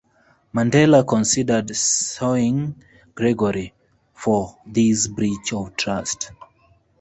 Mandela considered suing Gregory for this breach of trust.